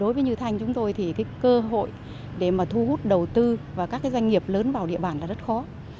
đối với như thanh chúng tôi thì cơ hội để thu hút đầu tư và các doanh nghiệp lớn vào địa bản là rất khó